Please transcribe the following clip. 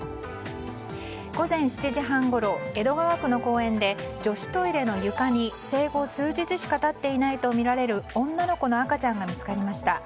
午前７時半ごろ江戸川区の公園で女子トイレの床に生後数日しか経っていないとみられる女の子の赤ちゃんが見つかりました。